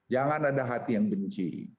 jangan ada hati yang benci